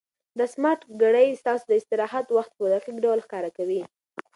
دا سمارټ ګړۍ ستاسو د استراحت وخت په دقیق ډول ښکاره کوي.